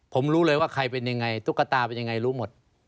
ผมรู้เลยว่าใครเป็นยังไงตุ๊กตาเป็นยังไงรู้หมด